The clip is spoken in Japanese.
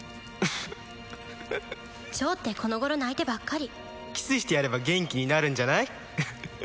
チョウってこのごろ泣いてばっかりキスしてやれば元気になるんじゃない？